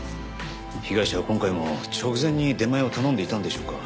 被害者は今回も直前に出前を頼んでいたんでしょうか？